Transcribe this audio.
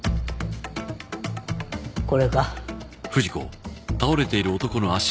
これか？